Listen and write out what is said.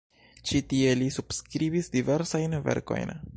Ĉi tie li subskribis diversajn verkojn.